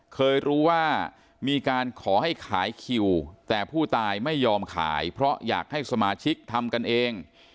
เคยรู้ว่ามีการขอให้ขายคิวแต่ผู้ตายไม่ยอมขายเพราะอยากให้สมาชิกทำกันเอง